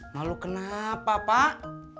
malu kenapa pak